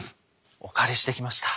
お借りしてきました。